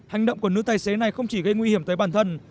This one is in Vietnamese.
hành động của nữ tài xế này không chỉ gây nguy hiểm tới bản thân